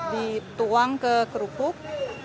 dituang ke kerupuk